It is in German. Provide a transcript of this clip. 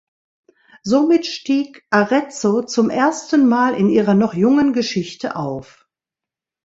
Somit stieg Arezzo zum ersten Mal in ihrer noch jungen Geschichte auf.